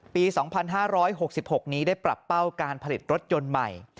ปี๒๕๖๖นี้ได้ปรับเป้าการผลิตรถยนต์ใหม่